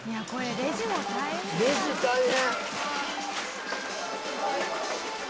レジ大変。